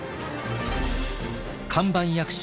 看板役者